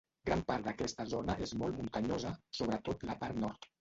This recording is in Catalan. Gran part d'aquesta zona és molt muntanyosa, sobretot la part nord.